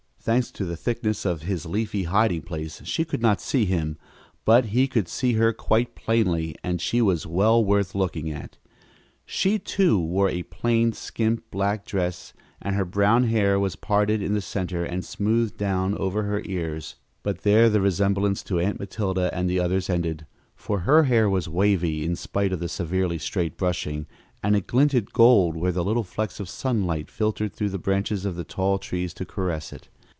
Thanks to the thickness of his leafy hiding place she could not see him, but he could see her quite plainly, and she was well worth looking at. She, too, wore a plain, skimp, black dress, and her brown hair was parted in the center and smoothed down over her ears, but there the resemblance to Aunt Matilda and the others ended, for her hair was wavy in spite of the severely straight brushing, and it glinted gold where little flecks of sunlight filtered through the branches of the tall trees to caress it.